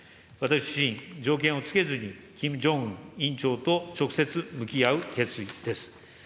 私自身、条件を付けずにキム・ジョンウン委員長と直接向き合う決意です。